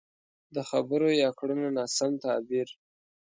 د خبرو يا کړنو ناسم تعبير.